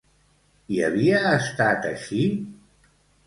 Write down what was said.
I havia estat així?